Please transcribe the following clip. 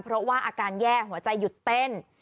เพราะว่าอาการแย่หัวใจหยุดเต้น